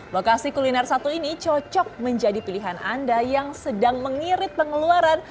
lokasi kuliner satu ini cocok menjadi pilihan anda yang sedang mengirit pengeluaran